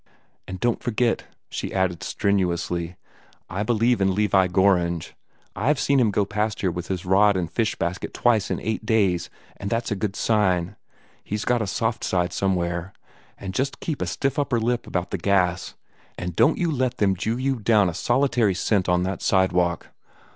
"And don't forget," she added strenuously; "I believe in Levi Gorringe! I've seen him go past here with his rod and fish basket twice in eight days, and that's a good sign. He's got a soft side somewhere. And just keep a stiff upper lip about the gas, and don't you let them jew you down a solitary cent on that sidewalk."